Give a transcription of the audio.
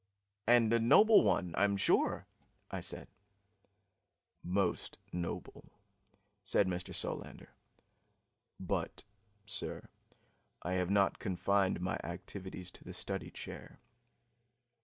"And a noble one, I'm sure," I said. "Most noble," said Mr. Solander. "But, sir, I have not confined my activities to the study chair.